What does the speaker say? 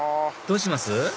どうします？